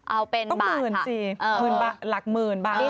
เอาเป็นบาทค่ะต้องหมื่นจริงหลักหมื่นบาท